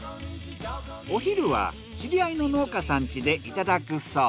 お昼は知り合いの農家さん家でいただくそう。